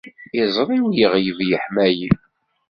Iẓri-w iɣleb leḥmali.